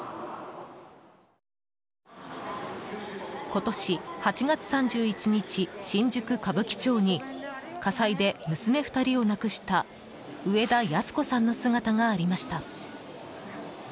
今年８月３１日新宿・歌舞伎町に火災で娘２人を亡くした植田安子さんの姿がありました。